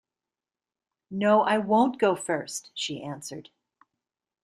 “No, I won’t go first,” she answered.